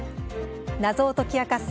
謎を解き明かす